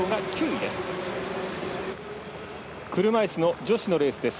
車いすの女子のレースです。